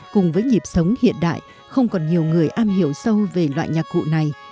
cùng với nhịp sống hiện đại không còn nhiều người am hiểu sâu về loại nhạc cụ này